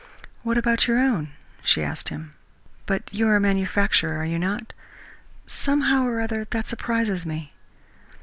"What about your own?" she asked him. "But you are a manufacturer, are you not? Somehow or other, that surprises me."